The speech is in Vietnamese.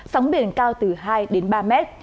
sóng biển cao từ hai ba mét